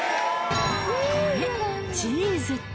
これチーズ